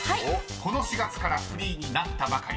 この４月からフリーになったばかり］